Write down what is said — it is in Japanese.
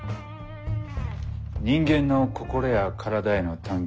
人間の心や体への探求。